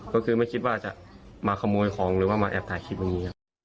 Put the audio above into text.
ก็คือไม่คิดว่าจะมาขโมยของหรือว่ามาแอบถ่ายคลิปอย่างนี้ครับ